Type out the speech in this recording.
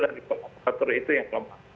dari operator itu yang lemah